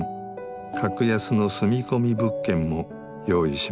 格安の住み込み物件も用意しました。